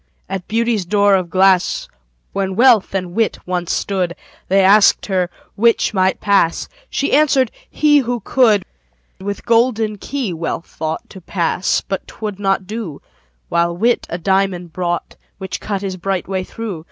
At Beauty's door of glass, When Wealth and Wit once stood, They asked her 'which might pass?" She answered, "he, who could." With golden key Wealth thought To pass but 'twould not do: While Wit a diamond brought, Which cut his bright way through.